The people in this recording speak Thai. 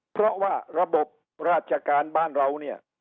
เพราะว่าระบบราชการบ้านเราเนี่ย